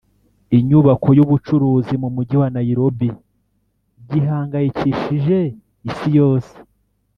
inyubako y’ubucuruzi mu mujyi wa Nairobi gihangayikishije Isi yose